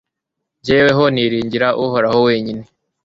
jyeweho niringira uhoraho wenyine